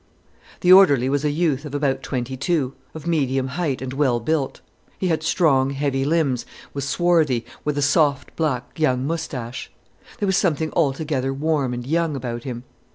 The orderly was a youth of about twenty two, of medium height, and well built. He had strong, heavy limbs, was swarthy, with a soft, black, young moustache. There was something altogether warm and young about him.